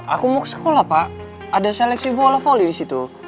aku mau sekolah pak ada seleksi bola volley di situ